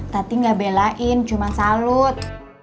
tapi gak belain cuma salut